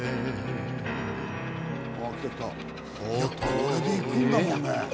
これで行くんだもんね。